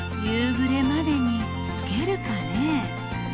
夕暮れまでに着けるかね？